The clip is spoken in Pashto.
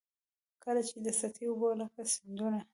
کله چي د سطحي اوبو لکه سیندونه.